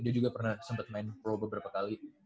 dia juga pernah sempat main pro beberapa kali